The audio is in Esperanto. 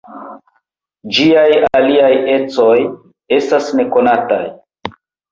Ĝiaj aliaj ecoj estas nekonataj.